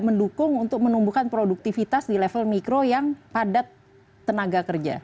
mendukung untuk menumbuhkan produktivitas di level mikro yang padat tenaga kerja